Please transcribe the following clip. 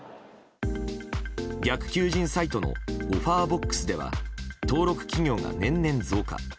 逆求人サイトのＯｆｆｅｒＢｏｘでは登録企業が年々増加。